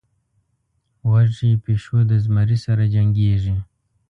وږى پيشو د زمري سره جنکېږي.